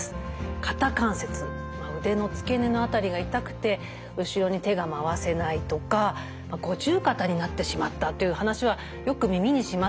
肩関節腕の付け根の辺りが痛くて後ろに手が回せないとか五十肩になってしまったという話はよく耳にしますけれども。